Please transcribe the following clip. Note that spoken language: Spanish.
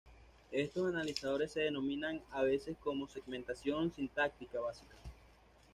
Estos analizadores se denominan a veces como "segmentación sintáctica básica".